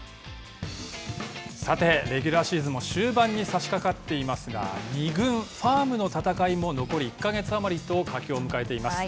さて、レギュラーシーズンも終盤にさしかかっていますが二軍、ファームの戦いも残り１か月余りと佳境を迎えています。